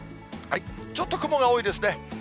ちょっと雲が多いですね。